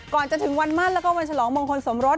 ก่อนจะถึงวันมั่นแล้วก็วันฉลองมงคลสมรส